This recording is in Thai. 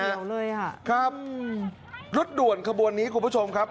เลยอ่ะครับรถด่วนขบวนนี้คุณผู้ชมครับ